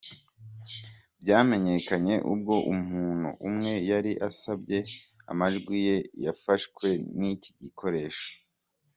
byamenyekanye ubwo umuntu umwe yari asabye amajwi ye yafashwe n’iki gikoresho